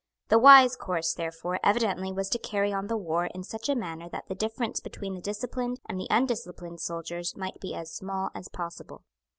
The wise course, therefore, evidently was to carry on the war in such a manner that the difference between the disciplined and the undisciplined soldier might be as small as possible.